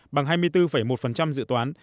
bằng hai mươi bốn một dự toán